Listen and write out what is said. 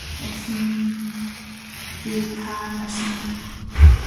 Аль вэ та нааш нь өг.